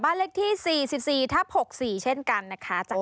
เลขที่๔๔ทับ๖๔เช่นกันนะคะ